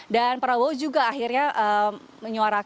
dan prabowo juga akhirnya menyuarakan pendapatnya maupun kesedihan yang terjadi